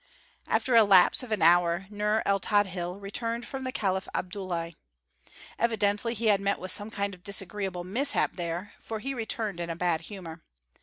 After a lapse of an hour Nur el Tadhil returned from the caliph Abdullahi. Evidently he had met with some kind of disagreeable mishap there, for he returned in a bad humor.